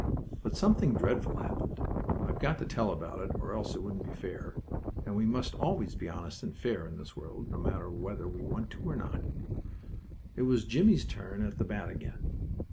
But something dreadful happened. I've got to tell about it, or else it wouldn't be fair, and we must always be honest and fair in this world, no matter whether we want to or not. It was Jimmie's turn at the bat again.